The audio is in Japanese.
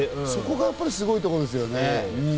そこがすごいところですね。